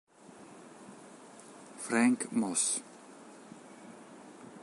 Frank Moss